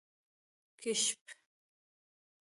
🐢 کېشپ